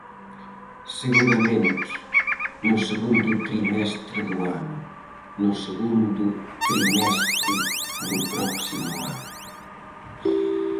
Seguramente, no segundo trimestre do ano, no segundo trimestre do próximo ano.